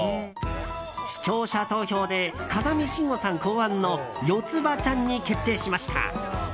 視聴者投票で風見しんごさん考案のヨツバちゃんに決定しました。